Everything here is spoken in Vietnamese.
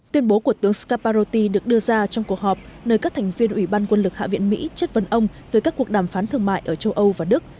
tuyên bố của tướng scamparotti được đưa ra trong cuộc họp nơi các thành viên ủy ban quân lực hạ viện mỹ chết vần ông về các cuộc đàm phán thương mại ở châu âu và đức